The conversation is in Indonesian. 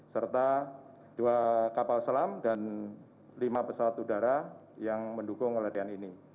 serta dua kapal selam dan lima pesawat udara yang mendukung latihan ini